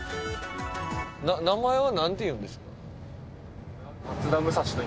名前は何ていうんですか？